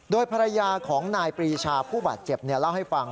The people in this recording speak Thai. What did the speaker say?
โดยภรรยาของนายปรีชาผู้บาดเจ็บเล่าให้ฟัง